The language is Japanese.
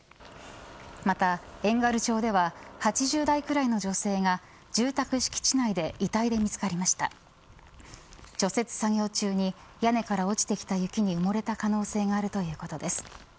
また、遠軽町では８０代くらいの女性が住宅敷地内で遺体で見つかりました除雪作業中に屋根から落ちてきた雪に埋もれた可能性があるということです。